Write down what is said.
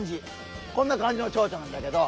こんな感じのチョウチョなんだけど。